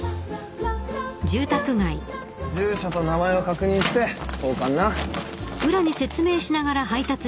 住所と名前を確認して投函な。